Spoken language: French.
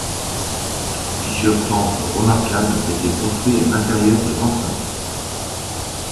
Plusieurs temples remarquables ont été construits à l'intérieur de l'enceinte.